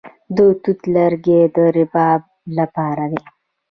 د توت لرګي د رباب لپاره دي.